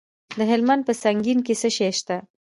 د هلمند په سنګین کې څه شی شته؟